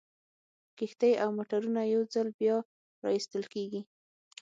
کښتۍ او موټرونه یو ځل بیا را ایستل کیږي